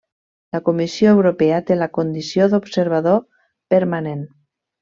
La Comissió Europea té la condició d'observador permanent.